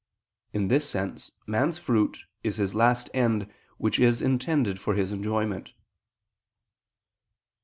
In this sense man's fruit is his last end which is intended for his enjoyment.